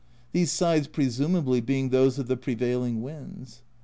these sides presumably being those of the prevailing winds.